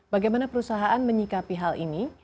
bagaimana perusahaan menyikapi hal ini